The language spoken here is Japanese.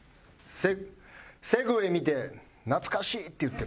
セグウェイ見て「懐かしい」って言ってる。